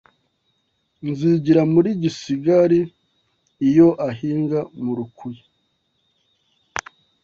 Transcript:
nzigira mu Gisigari Iyo ahinga mu Rukuye